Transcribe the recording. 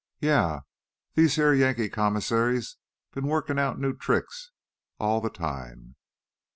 "Yeah. These heah Yankee commissaries bin workin' out new tricks all th' time.